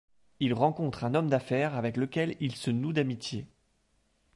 Il rencontre un homme d'affaires avec lequel il se noue d'amitié.